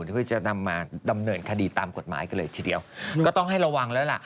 เพื่อจะนำมาดำเนินคดีตามกฎหมายกันเลยทีเดียวก็ต้องให้ระวังแล้วล่ะ